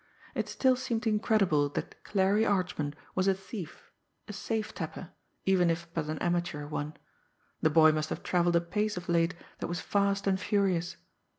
It still seemed incredible that Clarie Archman was a thief, a safe tapper, even if but an amateur one. The boy must have travelled a pace of late that was fast and furious.